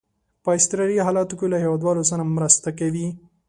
په اضطراري حالاتو کې له هیوادوالو سره مرسته کوي.